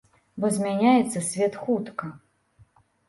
Бо змяняецца свет хутка.